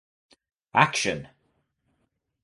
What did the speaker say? Action!